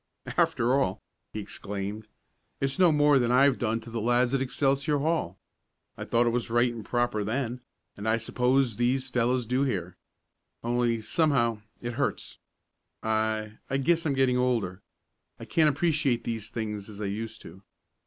"After all!" he exclaimed, "it's no more than I've done to the lads at Excelsior Hall. I thought it was right and proper then, and I suppose these fellows do here. Only, somehow, it hurts. I I guess I'm getting older. I can't appreciate these things as I used to.